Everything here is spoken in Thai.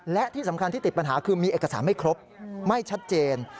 และที่สำคัญที่ติดปัญหาคือมีเอกสารไม่ครบไม่ชัดเจน